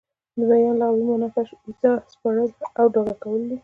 د بیان لغوي مانا کشف، ايضاح، سپړل او په ډاګه کول دي.